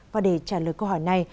và để trả lời câu hỏi này